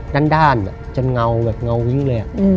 ด้านจนเงาอยู่เลย